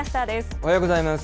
おはようございます。